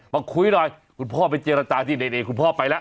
มาคุยหน่อยคุณพ่อไปเจรจาที่นี่คุณพ่อไปแล้ว